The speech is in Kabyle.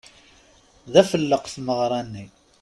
D afelleq tmeɣṛa-nni.